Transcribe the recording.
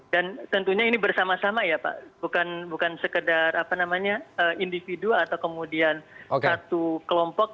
dan tentunya ini bersama sama ya pak bukan sekedar apa namanya individu atau kemudian satu kelompok